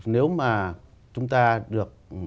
nếu mà chúng ta được